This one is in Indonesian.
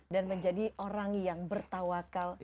dan menjadi orang yang bertawakal